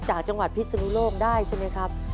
จากจังหวัดพิศนุโลกได้ใช่ไหมครับ